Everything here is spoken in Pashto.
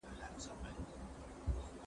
زه اوس ليکنې کوم